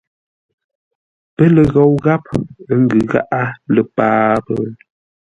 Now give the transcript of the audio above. Pə́ lə ghou gháp, ə́ ngʉ̌ gháʼá lə́ páp?